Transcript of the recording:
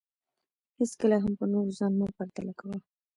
هېڅکله هم په نورو ځان مه پرتله کوه